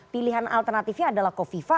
pilihan alternatifnya adalah kofi fa